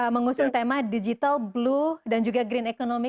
mengusung tema digital blue dan juga green economy